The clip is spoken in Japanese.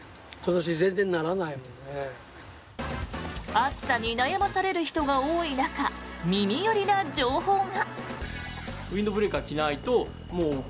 暑さに悩まされる人が多い中耳寄りな情報が。